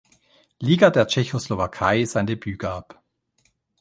Liga der Tschechoslowakei sein Debüt gab.